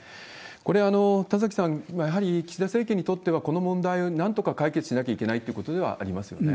これ、田崎さん、やはり岸田政権にとっては、この問題をなんとか解決しなければいけないということではありま